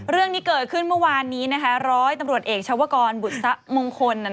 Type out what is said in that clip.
เรื่องนี้เกิดขึ้นเมื่อวานนี้ร้อยตำรวจเอกชาวกรบุษะมงคล